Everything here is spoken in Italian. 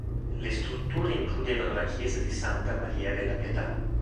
Le strutture includevano la chiesa di Santa Maria della Pietà.